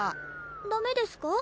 ダメですか？